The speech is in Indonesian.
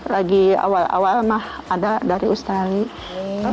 lagi awal awal mah ada dari australia